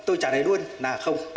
tôi chẳng thấy luôn là không